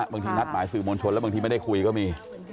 บางทีนัดหมายสื่อมวลชนแล้วบางทีไม่ได้คุยก็มี